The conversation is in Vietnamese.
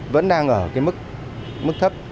vẫn đang ở cái mức thấp